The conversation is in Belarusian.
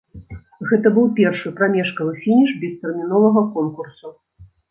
Гэта быў першы прамежкавы фініш бестэрміновага конкурсу.